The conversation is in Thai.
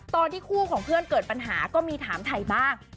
คู่ของเพื่อนเกิดปัญหาก็มีถามไทยบ้าง